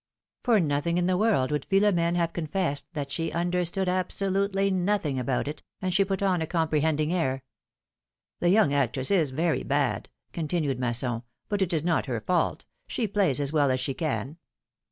For nothing in the world would Philomene have con fessed that she understood absolutely nothing about it, and she put on a comprehending air. ^^The young actress is very bad," continued Masson, but it is not her fault ; she plays as well as she can.